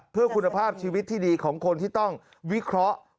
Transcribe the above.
เพื่อคุณภาพชีวิตที่ดีของคนที่ต้องวิเคราะห์